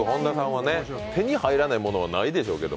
手に入らないものはないでしょうけど。